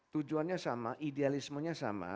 tujuannya sama idealismenya sama